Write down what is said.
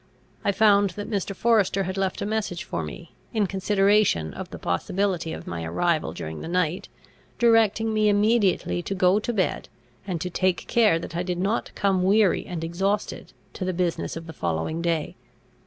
I found that Mr. Forester had left a message for me, in consideration of the possibility of my arrival during the night, directing me immediately to go to bed, and to take care that I did not come weary and exhausted to the business of the following day.